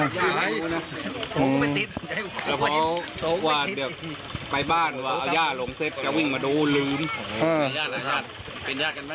ชั่วโมงตอนพบศพ